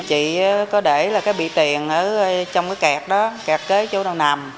chị có để là cái bị tiền ở trong cái kẹt đó kẹt kế chỗ nào nằm